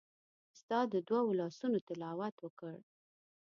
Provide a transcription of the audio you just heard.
ستا د دوو لاسونو تلاوت وکړ